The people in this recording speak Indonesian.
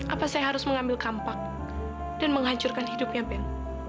apa saya harus mengambil kampak dan menghancurkan hidupnya ben